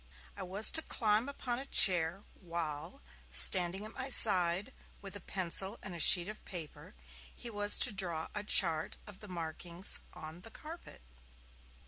I was to climb upon a chair, while, standing at my side, with a pencil and a sheet of paper, he was to draw a chart of the markings on the carpet.